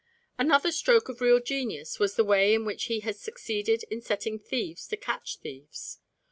Another stroke of real genius was the way in which he has succeeded in setting thieves to catch thieves.